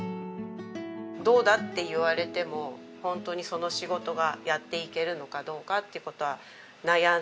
「どうだ？」って言われても本当にその仕事がやっていけるのかどうかって事は悩んで。